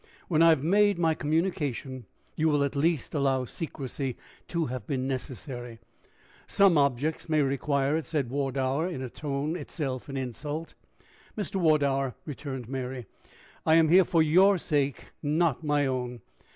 "When I have made my communication, you will at least allow secrecy to have been necessary." "Some objects may require it!" said Wardour, in a tone itself an insult. "Mr. Wardour," returned Mary, "I am here for your sake, not my own.